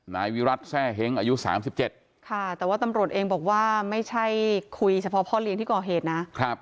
นายวิรัติแซ่เฮ้งอายุ๓๗ค่ะแต่ว่าตำรวจเองบอกว่าไม่ใช่คุยเฉพาะพ่อเลี้ยงที่ก่อเหตุนะ